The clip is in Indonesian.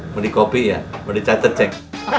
mau dikopi ya mau dicatat ceng